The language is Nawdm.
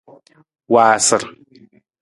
Waasar.